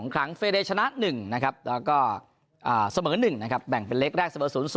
๒ครั้งเฟรรีชนะ๑แล้วก็เสมอ๑นะครับแบ่งเป็นเลขแรกเสมอ๐๐